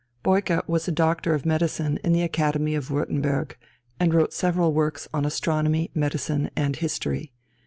Peucer was a doctor of medicine of the academy of Würtemberg, and wrote several works on astronomy, medicine, and history.